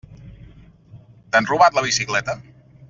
T'han robat la bicicleta?